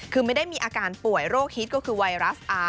คือไม่ได้มีอาการป่วยโรคฮิตก็คือไวรัสอาร์